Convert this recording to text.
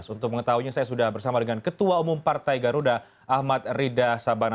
untuk mengetahuinya saya sudah bersama dengan ketua umum partai garuda ahmad rida sabana